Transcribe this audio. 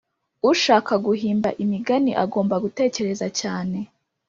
ushaka guhimba imigani agomba gutekereza cyane